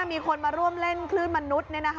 มีคนมาร่วมเล่นคลื่นมนุษย์